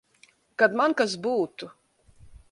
Kad man kas būtu.